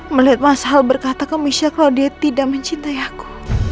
melihat mas hal berkata ke misha kalau dia tidak mencintai aku